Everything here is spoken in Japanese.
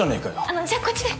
あのじゃあこっちで。